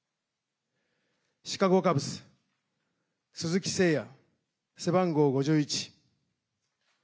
シカゴ・カブス鈴木誠也、背番号５１。